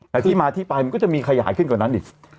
แต่ที่มาที่ไปมันก็จะมีขยายขึ้นกว่านั้นอีก